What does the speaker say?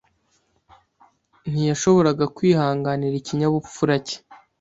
Ntiyashoboraga kwihanganira ikinyabupfura cye.